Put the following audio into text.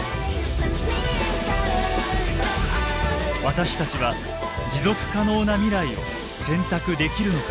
私たちは持続可能な未来を選択できるのか。